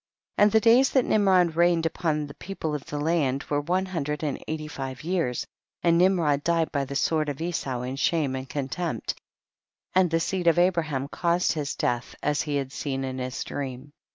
16. And the days that Nimrod reigned upon the people of the land were one hundred and eighty five years ; and Nimrod died by the sword of Esau in shame and contempt, and the seed of Abraham caused his death as he had seen in his dream.